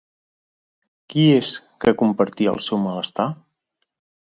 Qui és que compartia el seu malestar?